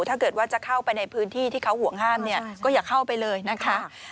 ถ้าเกิดว่าจะเข้าไปในพื้นที่ที่เขาห่วงห้ามเนี่ยก็อย่าเข้าไปเลยนะคะ